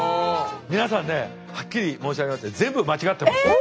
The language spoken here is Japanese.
皆さんねはっきり申し上げまして全部間違ってます。